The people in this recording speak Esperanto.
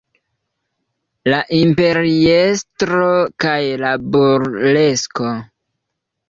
La imperiestro kaj la burlesko.